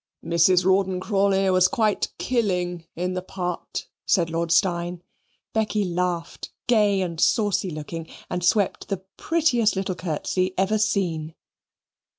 "Mrs. Rawdon Crawley was quite killing in the part," said Lord Steyne. Becky laughed, gay and saucy looking, and swept the prettiest little curtsey ever seen.